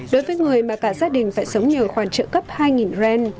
đối với người mà cả gia đình phải sống nhờ khoản trợ cấp hai rand